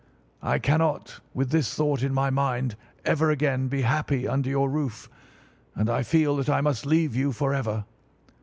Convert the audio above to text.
I cannot, with this thought in my mind, ever again be happy under your roof, and I feel that I must leave you forever.